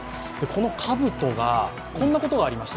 このかぶとが、こんなことがありました。